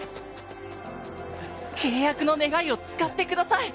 （契約の願いを使ってください。